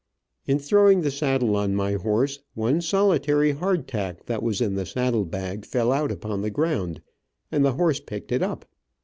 In throwing the saddle on my horse, one solitary hard tack that was in the saddle bag, fell out upon the ground, and the horse picked it up.